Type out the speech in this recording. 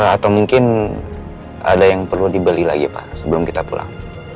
atau mungkin ada yang perlu dibeli lagi pak sebelum kita pulang